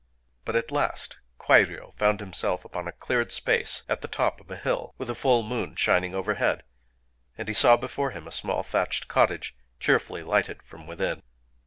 But at last Kwairyō found himself upon a cleared space at the top of a hill, with a full moon shining overhead; and he saw before him a small thatched cottage, cheerfully lighted from within.